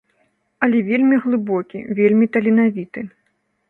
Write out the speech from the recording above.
Але вельмі глыбокі, вельмі таленавіты.